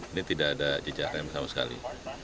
ini tidak ada jejak rem sama sekali